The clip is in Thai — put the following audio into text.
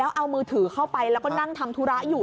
เอามือถือเข้าไปแล้วก็นั่งทำธุระอยู่